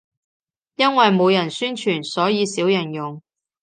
因為冇人宣傳，所以少人用